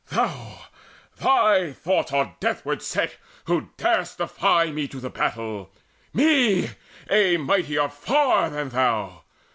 Thou thy thoughts are deathward set, Who dar'st defy me to the battle, me, A mightier far than thou!